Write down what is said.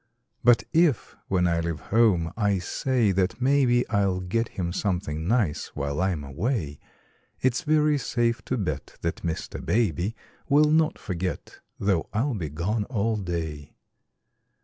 But if, when I leave home, I say that maybe I'll get him something nice while I'm away, It's very safe to bet that Mr. Baby Will not forget, though I be gone all day.